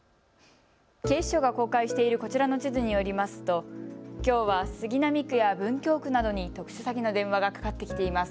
警視庁が公開しているこちらの地図によりますときょうは杉並区や文京区などに特殊詐欺の電話がかかってきています。